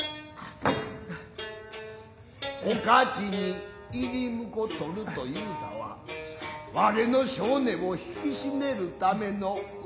おかちに入り婿取ると言うたはわれの性根をひきしめる為の嘘。